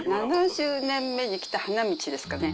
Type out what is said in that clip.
７０年目に来た花道ですかね。